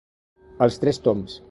Els tres tombs.